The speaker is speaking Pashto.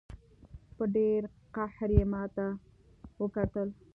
په ډېر قهر یې ماته وکتل.